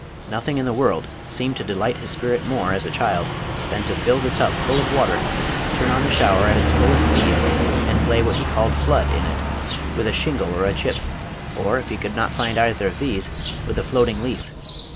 Nothing in the world seemed to delight his spirit more as a child than to fill the tub full of water, turn on the shower at its fullest speed, and play what he called flood in it, with a shingle or a chip, or if he could not find either of these, with a floating leaf.